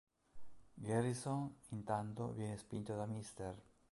Garrison, intanto, viene spinto da Mr.